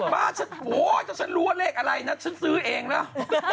บ้านฉันโอ๊ยถ้าฉันรู้ว่าเลขอะไรนะฉันซื้อเองแล้ว